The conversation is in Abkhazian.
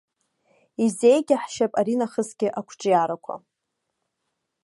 Изеигьаҳшьап аринахысгьы ақәҿиарақәа!